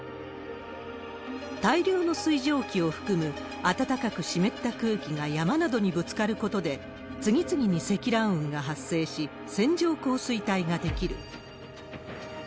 大量の水蒸気を含む、暖かく湿った空気が山などにぶつかることで、次々に積乱雲が発生し、線状降水帯が出来る。